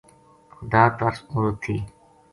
خدا ترس عورت تھی